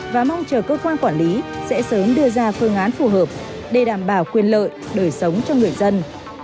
và mong chờ cơ quan quản lý sẽ sớm đưa ra phương án phù hợp để đảm bảo quyền lợi đời sống cho người dân